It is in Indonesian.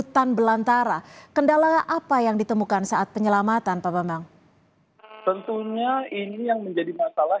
tentunya ini yang menjadi masalah